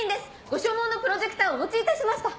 ご所望のプロジェクターをお持ちいたしました。